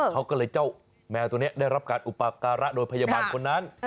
เขาก็เลยเจ้าแมวตัวนี้ได้รับการอุปการะโดยพยาบาลคนนั้น